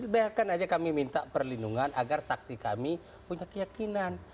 biarkan aja kami minta perlindungan agar saksi kami punya keyakinan